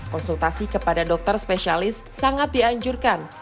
konsultasi kepada dokter spesialis sangat dianjurkan